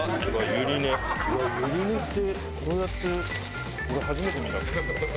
ゆりねってこうやって俺初めて見た。